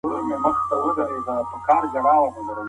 موږ په تفریح کولو بوخت یو.